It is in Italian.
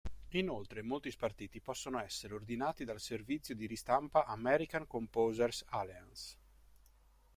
Inoltre, molti spartiti possono essere ordinati dal servizio di ristampa American Composers Alliance.